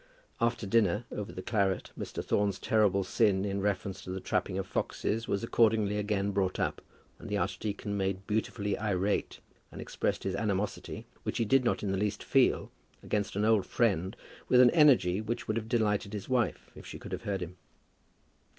After dinner, over the claret, Mr. Thorne's terrible sin in reference to the trapping of foxes was accordingly again brought up, and the archdeacon became beautifully irate, and expressed his animosity, which he did not in the least feel, against an old friend with an energy which would have delighted his wife, if she could have heard him.